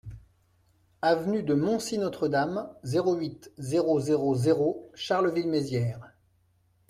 Avenue de Montcy-Notre-Dame, zéro huit, zéro zéro zéro Charleville-Mézières